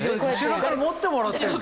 後ろから持ってもらってるの？